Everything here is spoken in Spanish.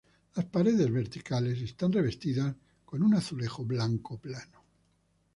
Las paredes verticales están revestidas con un azulejo blanco plano.